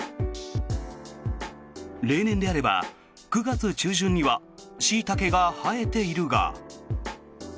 例年であれば９月中旬にはシイタケが生えているが。